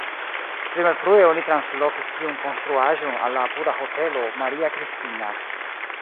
Pli malfrue oni translokis tiun konstruaĵon al la apuda Hotelo Maria Kristina.